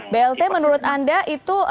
blt menurut anda itu